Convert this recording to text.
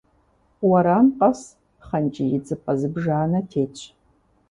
Уэрам къэс пхъэнкӏий идзыпӏэ зыбжанэ тетщ.